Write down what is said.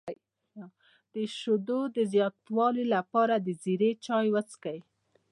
د شیدو د زیاتوالي لپاره د زیرې چای وڅښئ